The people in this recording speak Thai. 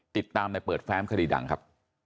ติดตามในเปิดแฟ้มคดีดังครับ